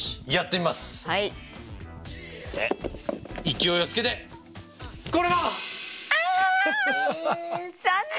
勢いをつけてこれだ！ああ残念！